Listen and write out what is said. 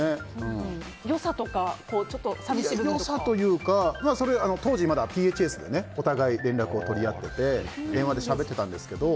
良さというか当時まだＰＨＳでお互い連絡を取り合ってて電話でしゃべってたんですけど。